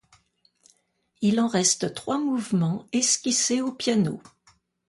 Il en reste trois mouvements esquissés au piano.